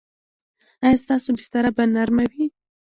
ایا ستاسو بستره به نرمه وي؟